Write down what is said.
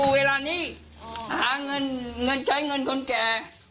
เวลานี้หาเงินเงินใช้เงินคนแก่